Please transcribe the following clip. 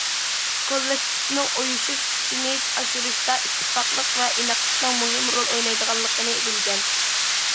كوللېكتىپنىڭ ئۇيۇشۇش كۈچىنى ئاشۇرۇشتا ئىتتىپاقلىق ۋە ئىناقلىقنىڭ مۇھىم رول ئوينايدىغانلىقىنى بىلگەن.